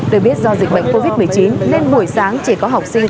được biết do dịch bệnh covid một mươi chín nên buổi sáng chỉ có học sinh